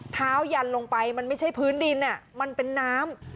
ยันลงไปมันไม่ใช่พื้นดินมันเป็นน้ำ